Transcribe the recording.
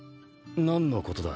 何のことだ？